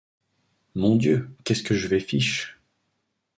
Mon Dieu ! qu’est-ce que je vais fiche ?